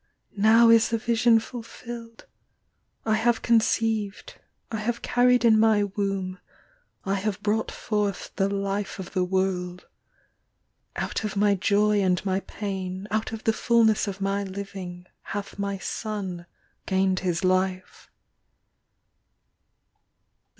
Now is the vision fulfilled : I have conceived, I have carried in my womb, I have brought forth The life of the world; Out of my joy and my pain, Out of the fulness of my living Hath my son gained his life.